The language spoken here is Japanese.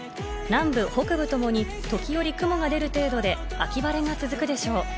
南部北部ともに時折、雲が出る程度で秋晴れが続くでしょう。